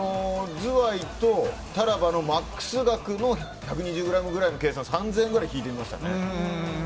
ズワイとタラバのマックス額の１２０ｇくらいの計算３０００円くらい引いてみました。